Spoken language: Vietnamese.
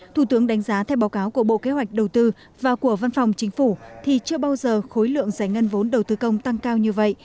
thủ tướng đánh giá theo báo cáo của bộ kế hoạch đầu tư và của văn phòng chính phủ thì chưa bao giờ khối lượng giải ngân vốn đầu tư công tăng cao như vậy